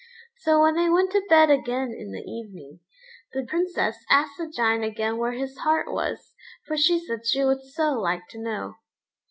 So when they went to bed again in the evening, the Princess asked the Giant again where his heart was, for she said she would so like to know.